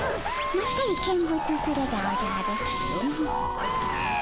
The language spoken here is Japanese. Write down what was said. まったり見物するでおじゃる。